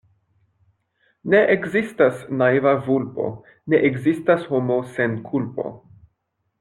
Ne ekzistas naiva vulpo, ne ekzistas homo sen kulpo.